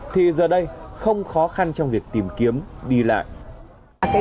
thì giờ đây không khó khăn trong việc tìm kiếm đi lại